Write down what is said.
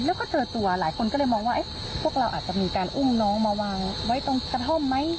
แล้วก็เจอตัวหลายคนก็เลยมองว่าพวกเราอาจจะมีการอุ้มน้องมาวางไว้ตรงกระท่อมไหม